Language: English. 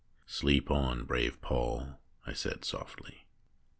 "Sleep on, brave Paul!" I said softly.